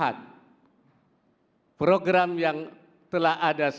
tiati indonesia yang ajib writer mechanis